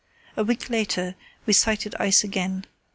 A week later we sighted ice again.